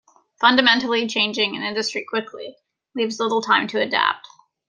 Fundamentally changing an industry quickly, leaves little time to adapt.